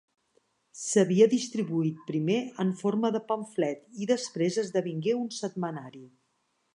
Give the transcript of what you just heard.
S'havia distribuït primer en forma de pamflet i després esdevingué un setmanari.